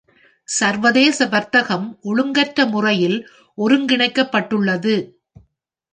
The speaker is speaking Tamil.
சர்வதேச வர்த்தகம் ஒழுங்கற்ற முறையில் ஒருங்கிணைக்கப்பட்டுள்ளது.